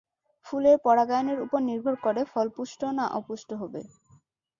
ফুলের পরাগায়নের ওপর নির্ভর করে ফল পুষ্ট না অপুষ্ট হবে।